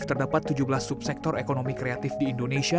terdapat tujuh belas subsektor ekonomi kreatif di indonesia